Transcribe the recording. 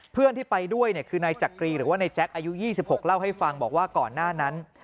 เพื่อนที่ไปด้วยคือนายจักรีหรือว่านายแจ๊คอายุ๒๖เล่าให้ฟังบอกว่าก่อนหน้านั้น